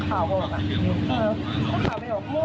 ตรงนี้ผมไม่รู้ไนน่ว่าเขา